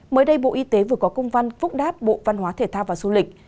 mới đây bộ y tế vừa có công văn phúc đáp bộ văn hóa thể thao và du lịch